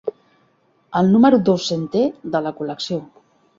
El número dos-centè de la col·lecció.